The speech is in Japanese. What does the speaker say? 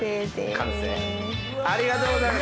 完成ありがとうございます。